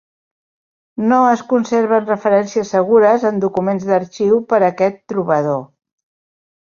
No es conserven referències segures en documents d'arxiu per aquest trobador.